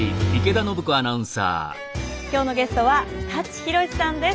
今日のゲストは舘ひろしさんです。